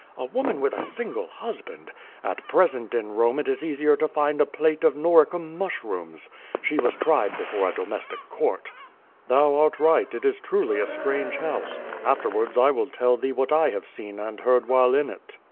A woman with a single husband! At present in Rome it is easier to find a plate of Noricum mushrooms. She was tried before a domestic court." "Thou art right, it is truly a strange house. Afterwards I will tell thee what I have seen and heard while in it."